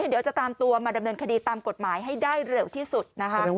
เดี๋ยวจะตามตัวมาดำเนินคดีตามกฎหมายให้ได้เร็วที่สุดนะคะ